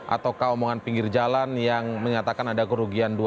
atau keomongan pinggir jalan yang menyatakan ada kerugian